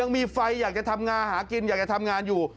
มีไฟอยากจะทำงานหากินอยากจะทำงานอยู่